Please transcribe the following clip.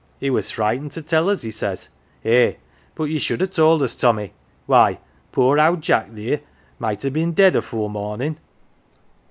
He was frightened to tell us, he says. Eh, but ye should ha' told us, Tommy. Why, poor owd Jack theer might ha' been dead afore mornin' !